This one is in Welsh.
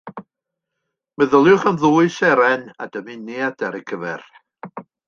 Meddyliwch am ddwy seren a dymuniad ar eu cyfer